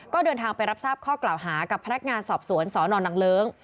ก็เดินทางไปรับทราบข้อกล่าวหากับพนักงานสอบสวนสนนางเลิ้ง